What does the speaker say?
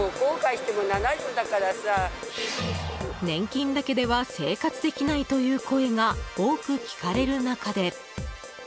年金だけでは生活できない！という声が多く聞かれる中で。